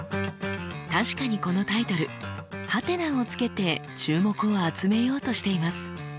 確かにこのタイトル「？」をつけて注目を集めようとしています。